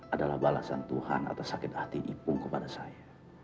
adalah balasan tuhan atas sakit hati ipung kepada saya